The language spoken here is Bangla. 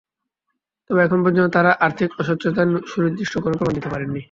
তবে এখন পর্যন্ত তাঁরা আর্থিক অস্বচ্ছতার সুনির্দিষ্ট কোনো প্রমাণ দিতে পারেননি।